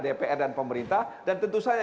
dpr dan pemerintah dan tentu saja